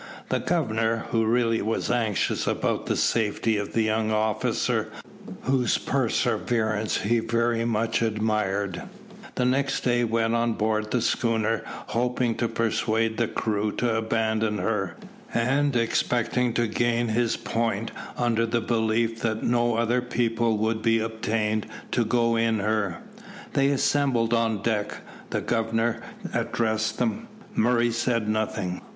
The Governor, who really was anxious about the safety of the young officer, whose perseverance he very much admired, the next day went on board the schooner, hoping to persuade the crew to abandon her; and expecting to gain his point under the belief that no other people would be obtained to go in her. They assembled on deck. The Governor addressed them. Murray said nothing.